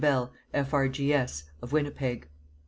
Bell, F.R.G.S., of Winnipeg.